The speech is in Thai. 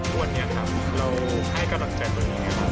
ทุกวันเนี่ยครับเราให้กำลังใจตัวเองครับ